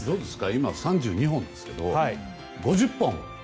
今、３２本ですけど５０本は？